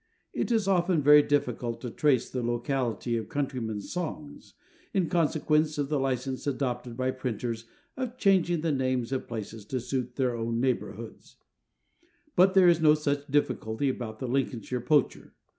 It is often very difficult to trace the locality of countrymen's songs, in consequence of the licence adopted by printers of changing the names of places to suit their own neighbourhoods; but there is no such difficulty about The Lincolnshire Poacher.